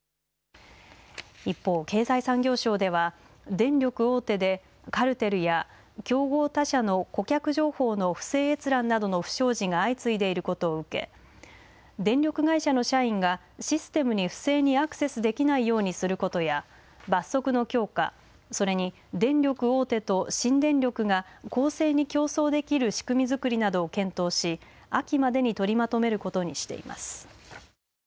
一方、経済産業省では電力大手でカルテルや競合他社の顧客情報の不正閲覧などの不祥事が相次いでいることを受け電力会社の社員がシステムに不正にアクセスできないようにすることや罰則の強化、それに電力大手と新電力が公正に競争できる仕組み作りなどを検討し秋までに取りまとめることにしています。